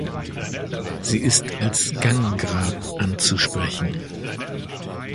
Sie ist als Ganggrab anzusprechen.